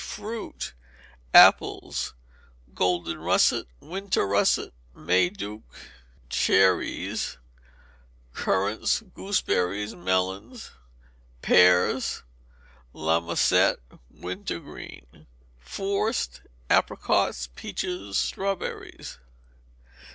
Fruit. Apples: Golden russet, winter russet. May duke cherries; currants; gooseberries; melons. Pears: L'amozette, winter green. Forced: Apricots, peaches, strawberries.